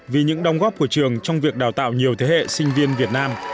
vì những đồng góp của trường trong việc đào tạo nhiều thế hệ sinh viên việt nam